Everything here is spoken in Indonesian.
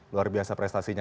luar biasa prestasinya